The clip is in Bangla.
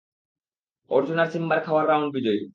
অর্জুন আর সিম্বার খাওয়ার রাউন্ড বিজয়ী!